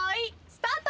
スタート。